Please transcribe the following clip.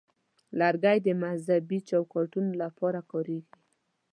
لرګی د مذهبي چوکاټونو لپاره کارېږي.